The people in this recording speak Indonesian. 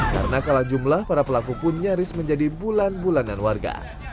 karena kalah jumlah para pelaku pun nyaris menjadi bulan bulanan warga